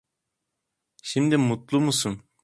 Şimdi mutlu musun?